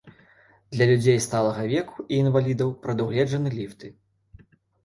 Для людзей сталага веку і інвалідаў прадугледжаны ліфты.